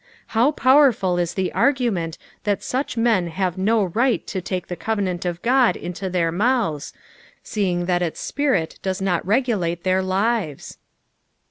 How powerful is the argument that such men have no right to take the coTeoant of Qod into their mouths, seeing that its spirit does not regulate their lives